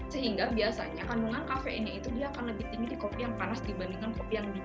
sehingga biasanya kandungan kafeinnya itu dia akan lebih tinggi di kopi yang panas dibandingkan kopi yang di